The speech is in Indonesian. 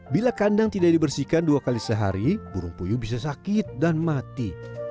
bila kandang tidak dibersihkan dua kali sehari burung puyuh bisa sakit dan mati